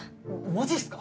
マジっすか！？